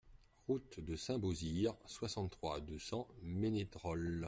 Route de Saint-Beauzire, soixante-trois, deux cents Ménétrol